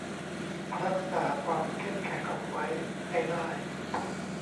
รักษาความเข้มแข็งเอาไว้ให้ได้